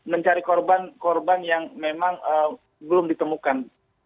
mencari korban korban yang memang belum ditemukan